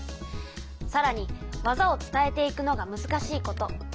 さらに技を伝えていくのがむずかしいこと。